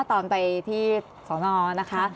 ตอนไปที่สอนอนะคะ